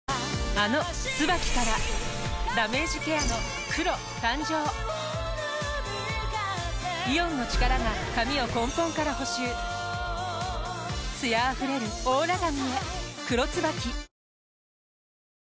あの「ＴＳＵＢＡＫＩ」からダメージケアの黒誕生イオンの力が髪を根本から補修艶あふれるオーラ髪へ「黒ＴＳＵＢＡＫＩ」